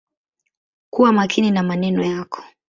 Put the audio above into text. Kuwa makini na maneno yako.